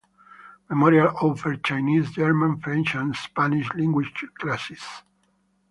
Memorial offers Chinese, German, French and Spanish language classes.